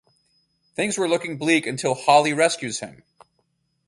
Things were looking bleak until Holly rescues him.